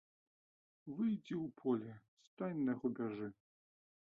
Выйдзі ў поле, стань на рубяжы.